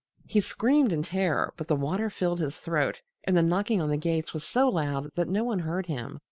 He screamed in terror, but the water filled his throat and the knocking on the gates was so loud that no one heard him.